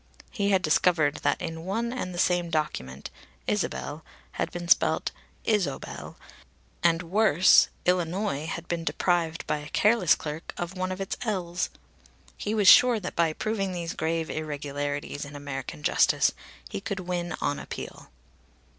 He had discovered that in one and the same document "Isabel" had been spelt "Isobel," and, worse, Illinois had been deprived by a careless clerk of one of its "l's." He was sure that by proving these grave irregularities in American justice he could win on appeal.